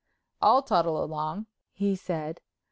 "I'll toddle along," he said.